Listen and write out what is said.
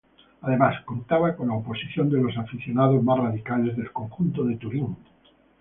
Además, contaba con la oposición de los aficionados más radicales del conjunto de Turín.